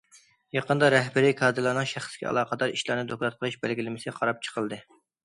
يىغىندا« رەھبىرىي كادىرلارنىڭ شەخسكە ئالاقىدار ئىشلارنى دوكلات قىلىش بەلگىلىمىسى» قاراپ چىقىلدى.